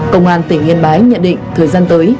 công an tỉnh yên bái nhận định thời gian tới